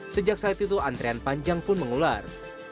sejak saat itu antrean panjang pun mengular